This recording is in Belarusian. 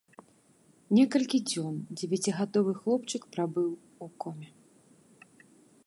Некалькі дзён дзевяцігадовы хлопчык прабыў у коме.